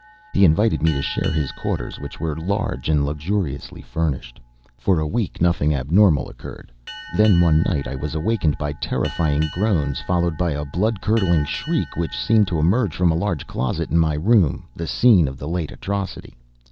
He invited me to share his quarters, which were large and luxuriously furnished. For a week, nothing abnormal occurred. Then, one night, I was awakened by terrifying groans followed by a blood curdling shriek which seemed to emerge from a large closet in my room, the scene of the late atrocity.